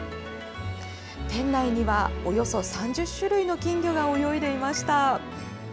店内にはおよそ３０種類の金魚が泳いでいました。